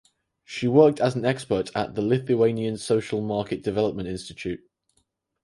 She worked as an expert at the Lithuanian Social Market Development Institute.